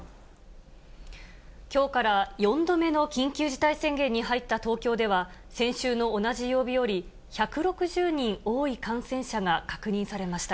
きょうから４度目の緊急事態宣言に入った東京では、先週の同じ曜日より１６０人多い感染者が確認されました。